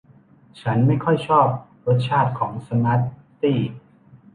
ฉันไม่ค่อยชอบรสชาติของสมาร์ทตี้